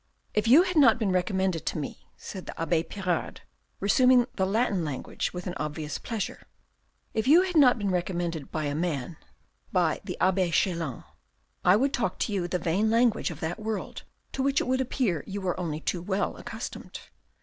" If you had not been recommended to me," said the abbe Pirard, resuming the Latin language with an obvious pleasure, " If you had not been recommended by a man, by the abbe Chelan, I would talk to you the vain language of that world, to which it would appear you are only too well accustomed.